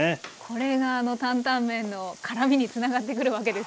これがあの担々麺の辛みにつながってくるわけですよね。